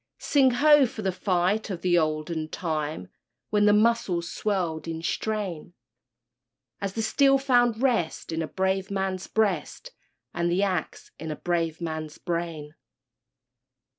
Sing ho! for the fight of the olden time, When the muscles swelled in strain, As the steel found rest in a brave man's breast And the axe in a brave man's brain!